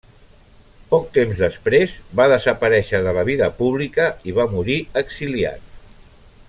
Poc temps després va desaparèixer de la vida pública i va morir exiliat.